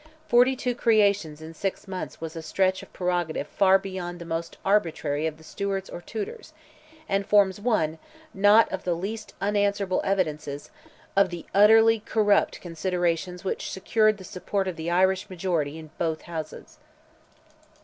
Forty two creations in six months was a stretch of prerogative far beyond the most arbitrary of the Stuarts or Tudors, and forms one, not of the least unanswerable evidences, of the utterly corrupt considerations which secured the support of the Irish majority in both Houses.